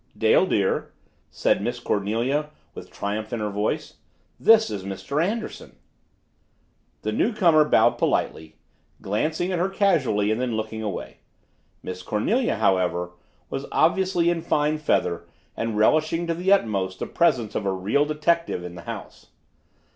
"Dale, dear," said Miss Cornelia with triumph in her voice. "This is Mr. Anderson." The newcomer bowed politely, glancing at her casually and then looking away. Miss Cornelia, however, was obviously in fine feather and relishing to the utmost the presence of a real detective in the house.